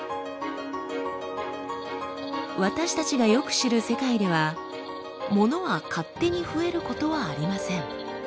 私たちがよく知る世界ではものは勝手に増えることはありません。